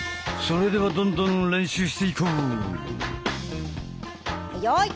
それではどんどん練習していこう！用意。